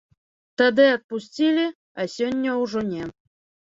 Тады адпусцілі, а сёння ўжо не.